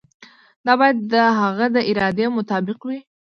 دا باید د هغه د ارادې مطابق وي.